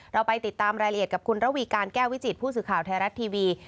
เราไปติดตามรายละเอียดกับคุณระวีการแก้ววิจิตผู้สื่อข่าวไทยรัฐทีวี